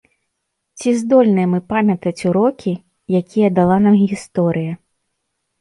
Ці здольныя мы памятаць урокі, якія дала нам гісторыя?